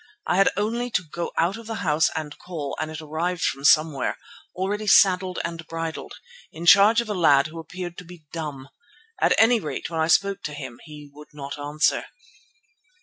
I had only to go out of the house and call and it arrived from somewhere, all ready saddled and bridled, in charge of a lad who appeared to be dumb. At any rate when I spoke to him he would not answer.